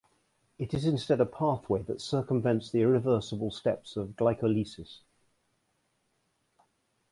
It is instead a pathway that circumvents the irreversible steps of glycolysis.